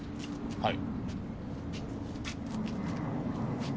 はい！